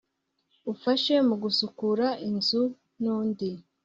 ufasha mu gusukura inzu n'undi